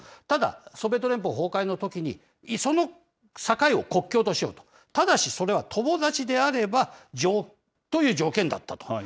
ただ、ソビエト連邦崩壊のときに、その境を国境としようと、ただしそれは友達であればという条件だったと。